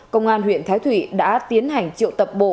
công an huyện thái thụy đã tiến hành triệu tập bộ